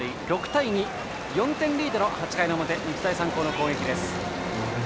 ６対２と４点リードの８回表日大三高の攻撃です。